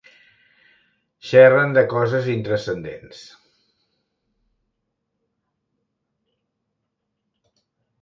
Xerren de coses intranscendents.